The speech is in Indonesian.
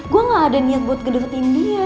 gue gaada niat buat gedetin dia